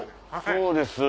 そうです。